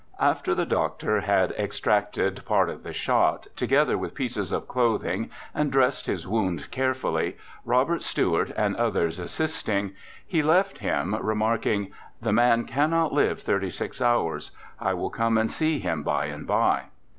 After the doctor had extracted part of the shot, together with pieces of clothing, and dressed his wound carefully, Robert Stuart and others assisting, he left him, remarking, "The man cannot live thirty six hours; I will come and see him by and by."